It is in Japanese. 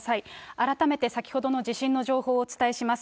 あらためて先ほどの地震の情報をお伝えします。